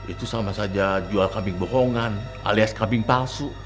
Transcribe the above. itu sama saja jual kambing bohongan alias kambing palsu